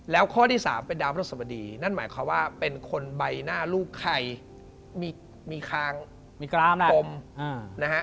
แล้วข้อที่๓เป็นดาวพระสบดีนั่นหมายความว่าเป็นคนใบหน้าลูกใครมีคางมีกลมนะฮะ